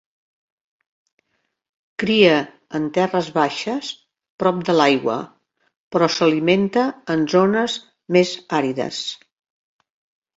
Cria en terres baixes prop de l'aigua però s'alimenta en zones més àrides.